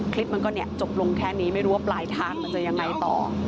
คลิปมันก็จบลงแค่นี้ไม่รู้ว่าปลายทางมันจะยังไงต่อ